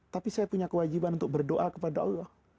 tapi saya punya kewajiban untuk berdoa kepada allah